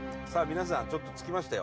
皆さんちょっと着きましたよ